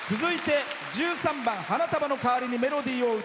１３番「花束のかわりにメロディーを」。